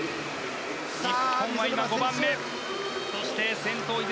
日本は今５番目。